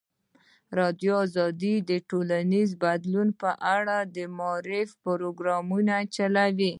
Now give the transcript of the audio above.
ازادي راډیو د ټولنیز بدلون په اړه د معارفې پروګرامونه چلولي.